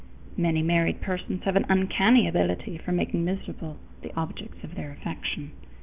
_ Many married persons have an uncanny capacity for making miserable the objects of their affection.